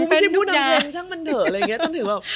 กูไม่ใช่ผู้นำเงินช่างมันเถอะอะไรอย่างเงี้ย